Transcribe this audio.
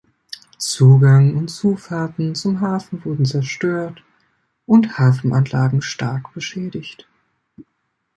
Zugang und Zufahrten zum Hafen wurden zerstört und Hafenanlagen stark beschädigt.